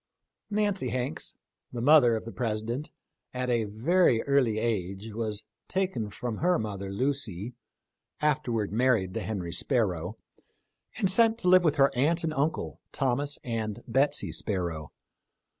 13 Nancy Hanks, the mother of the President, at a very early age was taken from her mother Lucy — afterwards married to Henry Sparrow — and sent to live with her aunt and uncle, Thomas and Betsy Sparrow.